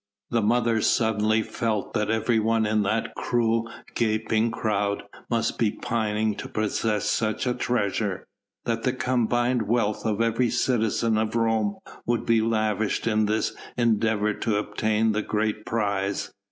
The mother suddenly felt that every one in that cruel gaping crowd must be pining to possess such a treasure, that the combined wealth of every citizen of Rome would be lavished in this endeavour to obtain the great prize.